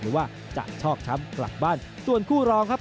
หรือว่าจะชอกช้ำกลับบ้านส่วนคู่รองครับ